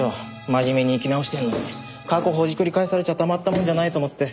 真面目に生き直してんのに過去をほじくり返されちゃたまったもんじゃないと思って。